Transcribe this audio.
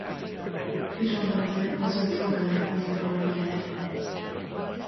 He told them if it was a real gun they would all be dead.